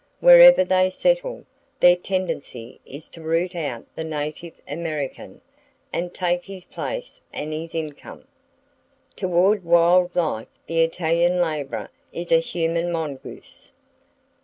Wherever they settle, their tendency is to root out the native American and take his place and his income. Toward wild life the Italian laborer is a human mongoose.